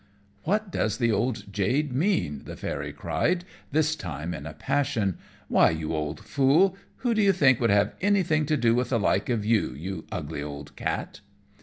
"What does the old jade mean?" the Fairy cried, this time in a passion. "Why, you old fool, who do you think would have anything to do with the like of you, you ugly old cat?"